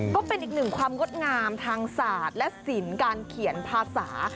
ก็เป็นอีกหนึ่งความงดงามทางศาสตร์และศิลป์การเขียนภาษา